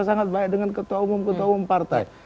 sangat baik dengan ketua umum ketua umum partai